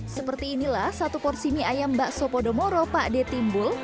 seperti inilah satu porsi mie ayam mbak sopo domoro pak d timbul